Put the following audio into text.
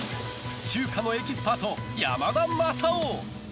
中華のエキスパート、山田昌夫。